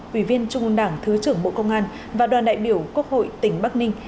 ủy viên trung ương đảng thứ trưởng bộ công an và đoàn đại biểu quốc hội tỉnh bắc ninh